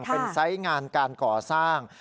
เป็นไซส์งานการก่อสร้าง